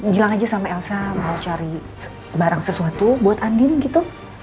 bilang aja sama elsa mau cari barang sesuatu buat andin gitu